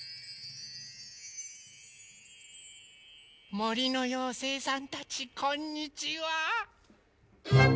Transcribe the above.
もりのようせいさんたちこんにちは！